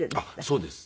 そうです。